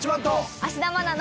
芦田愛菜の。